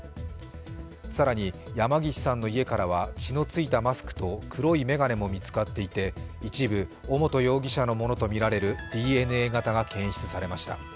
更に山岸さんの家からは血の付いたマスクと黒い眼鏡も見つかっていて一部、尾本容疑者のものとみられるＤＮＡ型が検出されました。